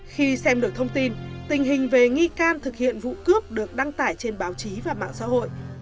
khi xem được thông tin tình hình về nghi can thực hiện vụ cướp được đăng tải trên báo chí và mạng xã hội